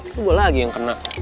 lo lagi yang kena